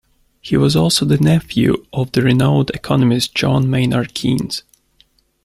He was also the nephew of the renowned economist, John Maynard Keynes.